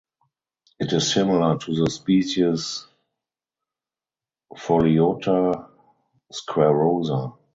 It is similar to the species "Pholiota squarrosa".